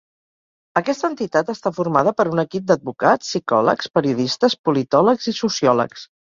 Aquesta entitat està formada per un equip d'advocats, psicòlegs, periodistes, politòlegs i sociòlegs.